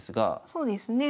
そうですね。